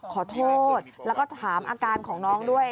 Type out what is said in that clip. ขอโทษแล้วก็ถามอาการของน้องด้วย